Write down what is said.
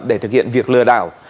để thực hiện việc lừa đảo